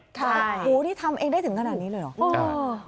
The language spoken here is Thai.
หูนี่ทำเองได้ถึงขนาดนี้เลยเหรอ